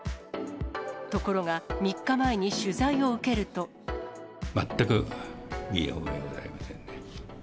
ところが、３日前に取材を受ける全く身に覚えはございません